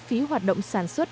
phí hoạt động sản xuất